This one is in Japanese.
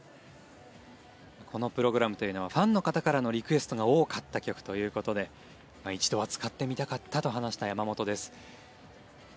このプログラムというのはファンの方からのリクエストが多かった曲ということで一度は使ってみたかったと話した山本です。